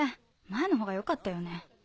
前のほうがよかったよね？